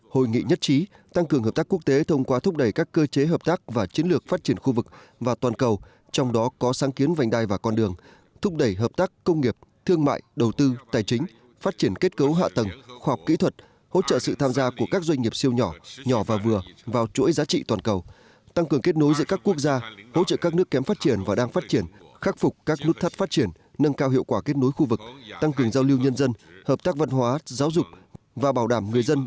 hội nghị nhất trí tăng cường hợp tác quốc tế thông qua thúc đẩy các cơ chế hợp tác và chiến lược phát triển khu vực và toàn cầu trong đó có sáng kiến vành đai và con đường thúc đẩy hợp tác công nghiệp thương mại đầu tư tài chính phát triển kết cấu hạ tầng khoa học kỹ thuật hỗ trợ sự tham gia của các doanh nghiệp siêu nhỏ nhỏ và vừa vào chuỗi giá trị toàn cầu tăng cường kết nối giữa các quốc gia hỗ trợ các nước kém phát triển và đang phát triển khắc phục các nút thắt phát triển nâng cao hiệu quả kết nối